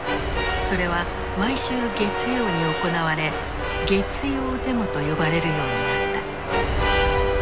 それは毎週月曜に行われ「月曜デモ」と呼ばれるようになった。